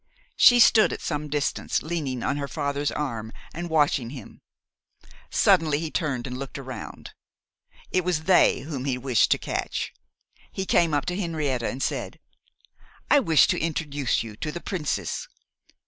She stood at some distance leaning on her father's arm, and watching him. Suddenly he turned and looked around. It was they whom he wished to catch. He came up to Henrietta and said, 'I wish to introduce you to the Princess